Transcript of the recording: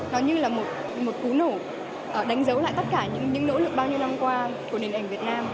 nó như là một cú nổ đánh dấu lại tất cả những nỗ lực bao nhiêu năm qua của nền ảnh việt nam